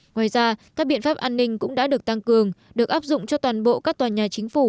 ngoài ra các biện pháp an ninh cũng đã được tăng cường được áp dụng cho toàn bộ các tòa nhà chính phủ